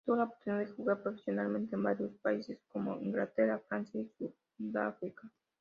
Tuvo la oportunidad de jugar profesionalmente en varios países como Inglaterra, Francia y Sudáfrica.